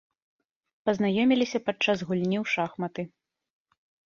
Пазнаёміліся падчас гульні ў шахматы.